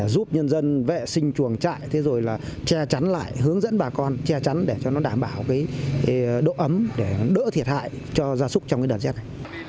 giúp nhân dân vệ sinh chuồng trại thế rồi là che chắn lại hướng dẫn bà con che chắn để cho nó đảm bảo cái độ ấm để đỡ thiệt hại cho gia súc trong cái đợt rét này